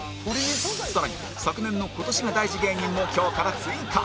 更に昨年の今年が大事芸人も今日から追加